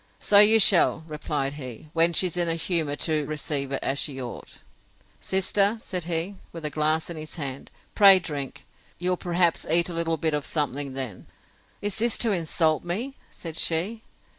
So you shall, replied he, when she's in a humour to receive it as she ought. Sister, said he, with a glass in his hand, pray drink; you'll perhaps eat a little bit of something then. Is this to insult me? said she.